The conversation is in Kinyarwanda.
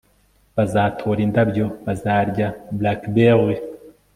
bazatora indabyo, bazarya blackberries